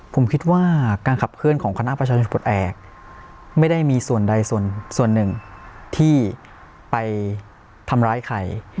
ผมคิดว่าการขับเคลื่อนของคณะประชาชนปลดแอบไม่ได้มีส่วนใดส่วนหนึ่งที่ไปทำร้ายใคร